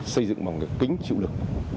xây dựng bằng kính chịu lực